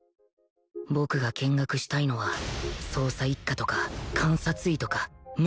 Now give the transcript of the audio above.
僕が見学したいのは捜査一課とか監察医とか麻薬カルテルとか